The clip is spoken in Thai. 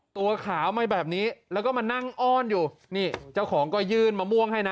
ตัวขาวมาแบบนี้แล้วก็มานั่งอ้อนอยู่นี่เจ้าของก็ยื่นมะม่วงให้นะ